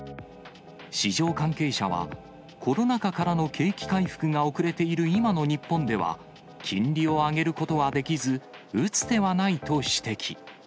市場関係者は、コロナ禍からの景気回復が遅れている今の日本では、金利を上げることはできず、打つ手はないと指摘。